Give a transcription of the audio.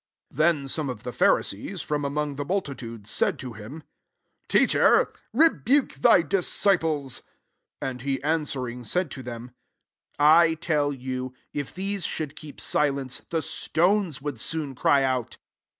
39 Then some of the Phari sees, from among the multitude, said to him, " Teacher, rebuke thy disciples." 40 And he an I swering, said to them, I tell I you. If these should keep si ! lence, the stones would soon 1 cry out."